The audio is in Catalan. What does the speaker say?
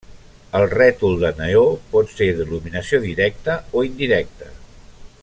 El rètol de neó pot ser d'il·luminació directa o indirecta.